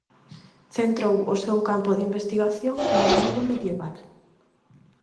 Centrou o seu campo de investigación no mundo medieval.